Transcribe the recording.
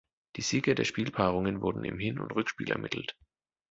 Die Sieger der Spielpaarungen wurden in Hin- und Rückspiel ermittelt.